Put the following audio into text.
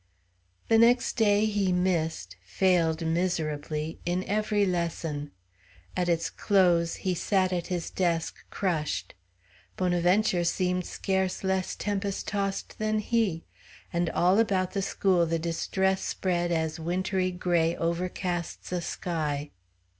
The next day he missed failed miserably in every lesson. At its close he sat at his desk, crushed. Bonaventure seemed scarce less tempest tossed than he; and all about the school the distress spread as wintry gray overcasts a sky.